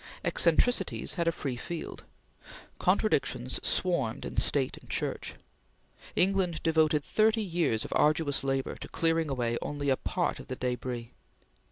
Eccentricities had a free field. Contradictions swarmed in State and Church. England devoted thirty years of arduous labor to clearing away only a part of the debris.